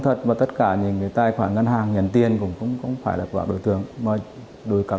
thật mà tất cả những tài khoản ngân hàng nhận tiền cũng không phải là quả đối tượng mà đối các